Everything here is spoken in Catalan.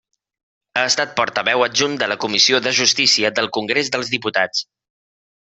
Ha estat portaveu adjunt de la Comissió de Justícia del Congrés dels Diputats.